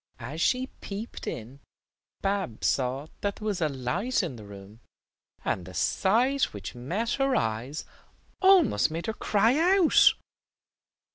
As she peeped in, Babs saw that there was a light in the room, and the sight which met her eyes almost made her cry out.